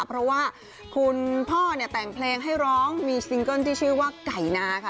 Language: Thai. เพราะว่าคุณพ่อเนี่ยแต่งเพลงให้ร้องมีซิงเกิ้ลที่ชื่อว่าไก่นาค่ะ